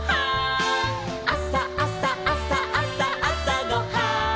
「あさあさあさあさあさごはん」